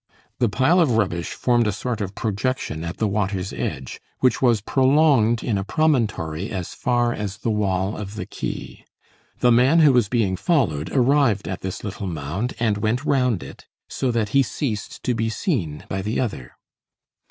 The pile of rubbish formed a sort of projection at the water's edge, which was prolonged in a promontory as far as the wall of the quay. The man who was being followed arrived at this little mound and went round it, so that he ceased to be seen by the other.